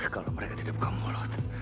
kalau mereka tidak buka mulut